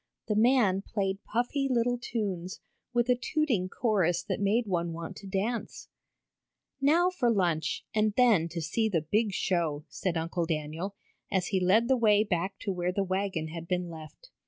The man played puffy little tunes, with a tooting chorus that made one want to dance. [Illustration: THEN CAME A HERD OF ELEPHANTS.] "Now for lunch, and then to see the big show," said Uncle Daniel, as he led the way back to where the wagon had been left.